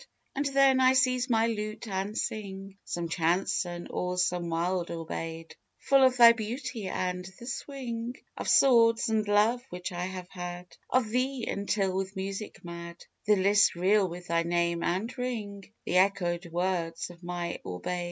And then I seize my lute and sing Some chanson or some wild aubade Full of thy beauty and the swing Of swords and love which I have had Of thee, until, with music mad, The lists reel with thy name and ring The echoed words of my aubade.